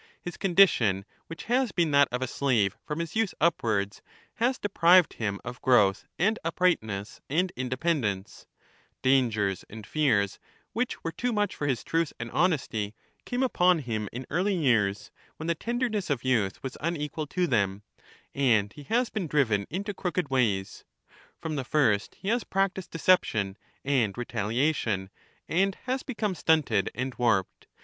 His condition, which has been that The lawyer of a slave from his youth upwards, has deprived him of "f ^1,^ ^* growth and uprightness and independence ; dangers and world, the fears, which were too much for his truth and honesty, came ■^^jhg^''^*'^ upon him in early years, when the tenderness of youth was freeman, unequal to them, and he has been driven into crooked ways ; from the first he has practised deceptjop and retaliation^ and has become stunted and warped.